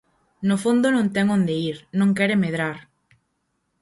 No fondo non ten onde ir, non quere medrar.